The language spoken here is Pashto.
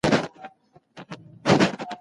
ته باید د رښتیني تاریخ په موندلو کي هڅه وکړې.